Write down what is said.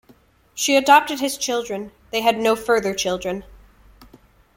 She adopted his children; they had no further children.